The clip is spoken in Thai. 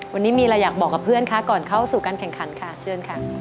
วันนี้มีอะไรอยากบอกกับเพื่อนคะก่อนเข้าสู่การแข่งขันค่ะเชิญค่ะ